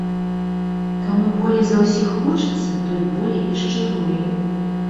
Каму болей за ўсіх хочацца, той болей і шчыруе.